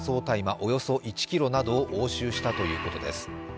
およそ１ｋｇを押収したということです。